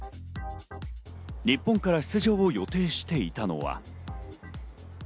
日本から出場を予定していたのは。